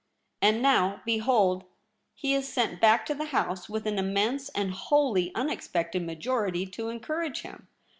And now behold he Is sent back to the House with an immense and wholly unexpected majority to encourage him.